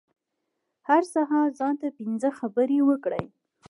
هر سهار ځان ته پنځه خبرې وکړئ .